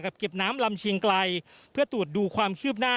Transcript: เก็บน้ำลำเชียงไกลเพื่อตรวจดูความคืบหน้า